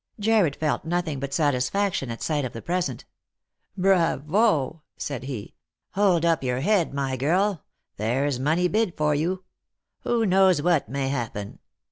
Jarred felt nothing but satisfaction at sight of the present. " Bravo !" said he. " Hold up your head, my girl ; there's money bid for you. Who knows what may happen